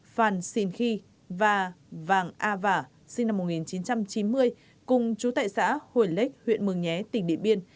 phan sinh khi và vàng a vả sinh năm một nghìn chín trăm chín mươi cùng chú tệ xã hồi lếch huyện mường nhé tỉnh điện biên